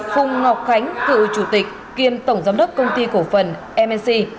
phùng ngọc khánh cựu chủ tịch kiêm tổng giám đốc công ty cổ phần mc